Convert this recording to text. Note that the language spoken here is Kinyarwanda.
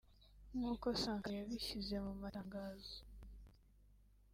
nkuko Sankara yabishyize mu matangazo